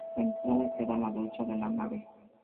La entrada queda a la derecha de la nave.